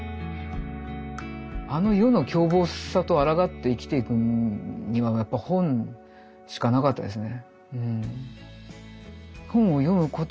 あの世の凶暴さとあらがって生きていくにはやっぱ本しかなかったですね。